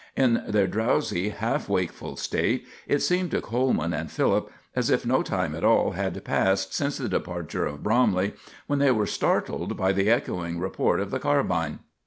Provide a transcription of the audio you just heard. In their drowsy, half wakeful state it seemed to Coleman and Philip as if no time at all had passed since the departure of Bromley when they were startled by the echoing report of the carbine.